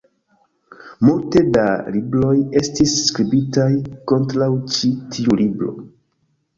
Multe da libroj estis skribitaj kontraŭ ĉi tiu libro.